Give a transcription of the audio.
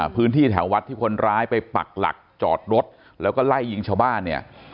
พื้นที่แถววัดที่คนร้ายไปปักหลักจอดรถแล้วก็ไล่ยิงชาวบ้านเนี่ย